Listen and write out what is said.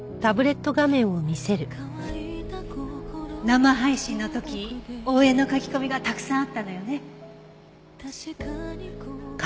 生配信の時応援の書き込みがたくさんあったのよね。